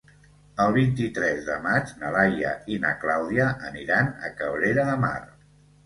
El vint-i-tres de maig na Laia i na Clàudia aniran a Cabrera de Mar.